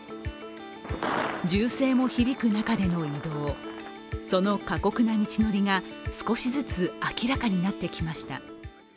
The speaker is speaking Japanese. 銃声も響く中での移動、その過酷な道のりが少しずつ明らかになってきました。